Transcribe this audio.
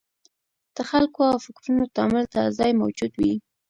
د خلکو او فکرونو تامل ته ځای موجود وي.